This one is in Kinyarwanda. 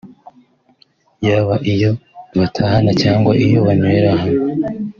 yaba iyo batahana cyangwa iyo banywera hano